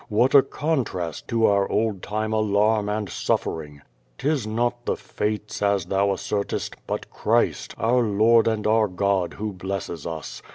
What a contrast to our old time alarm and suffering! 'Tis not the fau28, as thou assertest, but Christ, our Lord and our God, who ulesses us.